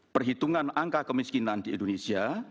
perhitungan angka kemiskinan di indonesia